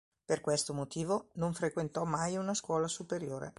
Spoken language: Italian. Per questo motivo, non frequentò mai una scuola superiore.